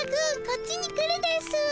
こっちに来るですぅ。